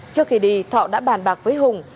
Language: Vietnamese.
trước khi đi thọ đã bàn bạc với hùng